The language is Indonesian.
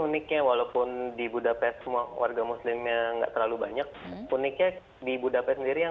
uniknya walaupun di budapest semua warga muslimnya enggak terlalu banyak pun iket di budapest sendiri